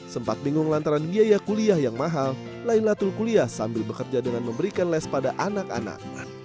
sempat bingung lantaran biaya kuliah yang mahal laylatul kuliah sambil bekerja dengan memberikan les pada anak anak